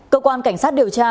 cơ quan cảnh sát điều tra